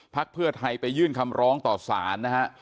เพื่อไทยไปยื่นคำร้องต่อสารนะฮะ